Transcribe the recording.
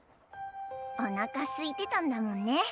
おなかすいてたんだもんね。